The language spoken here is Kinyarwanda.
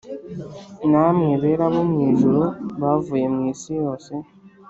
Namwe bera bo mw’ijuru bavuye mwisi yose